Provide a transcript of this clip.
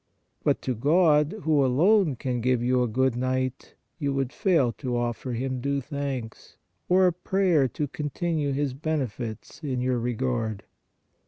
But to God, who alone can give you a good night, you would fail to offer Him due thanks, or a prayer to continue His benefits in your regard!